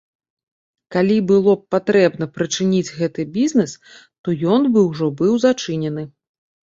Калі было б патрэбна прычыніць гэты бізнэс, то ён бы ўжо быў зачынены.